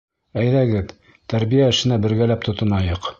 Әйҙәгеҙ, тәрбиә эшенә бергәләп тотонайыҡ.